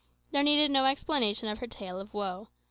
There needed no explanation of her tale of woe.